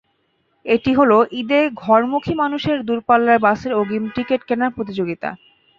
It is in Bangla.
এটি হলো ঈদে ঘরমুখী মানুষের দূরপাল্লার বাসের অগ্রিম টিকিট কেনার প্রতিযোগিতা।